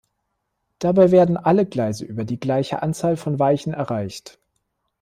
Dabei werden alle Gleise über die gleiche Anzahl von Weichen erreicht.